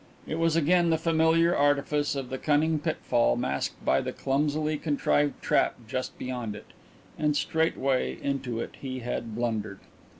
It was again the familiar artifice of the cunning pitfall masked by the clumsily contrived trap just beyond it. And straightway into it he had blundered!